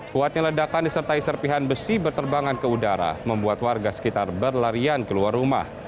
kuatnya ledakan disertai serpihan besi berterbangan ke udara membuat warga sekitar berlarian keluar rumah